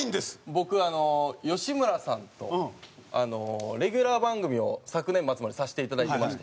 僕あの吉村さんとレギュラー番組を昨年末までさせて頂いてまして。